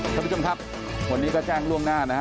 ท่านผู้ชมครับวันนี้ก็แจ้งล่วงหน้านะฮะ